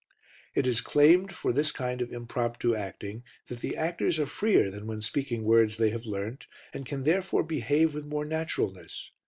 It is claimed for this kind of impromptu acting that the actors are freer than when speaking words they have learnt, and can therefore behave with more naturalness.